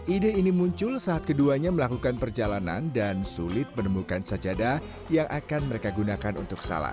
ide ini muncul saat keduanya melakukan perjalanan dan sulit menemukan sajadah yang akan mereka gunakan untuk salat